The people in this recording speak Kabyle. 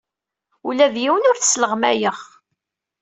Ula d yiwen ur t-sleɣmayeɣ.